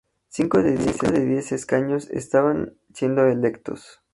Cinco de diez escaños estaban siendo electos.